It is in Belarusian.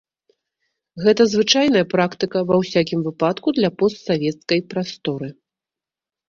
Гэта звычайная практыка, ва ўсякім выпадку для постсавецкай прасторы.